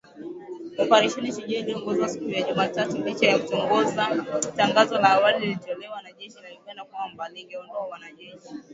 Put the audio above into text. Operesheni Shujaa iliongezwa siku ya Jumatano licha ya tangazo la awali lililotolewa na jeshi la Uganda kwamba lingeondoa wanajeshi .